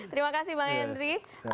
terima kasih bang henry